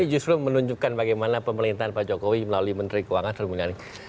ini justru menunjukkan bagaimana pemerintahan pak jokowi melalui menteri keuangan terlebih dahulu